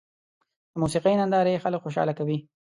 د موسیقۍ نندارې خلک خوشحاله کوي.